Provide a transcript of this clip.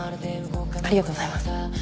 ありがとうございます。